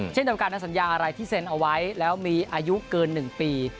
เช่นสัญญาอะไรที่เซ็นเอาไว้แล้วมีอายุเกินหนึ่งปี